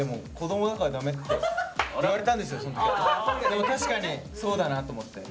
でも確かにそうだなと思って。